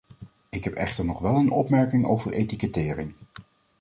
Ik heb echter nog wel een opmerking over etikettering.